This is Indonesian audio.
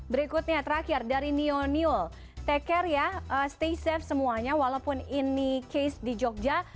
berikutnya terakhir dari neoniel take care ya stay safe semuanya walaupun ini case di jogja